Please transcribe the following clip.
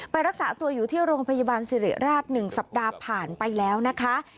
รักษาตัวอยู่ที่โรงพยาบาลสิริราช๑สัปดาห์ผ่านไปแล้วนะคะ